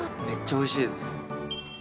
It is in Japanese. めっちゃおいしいです。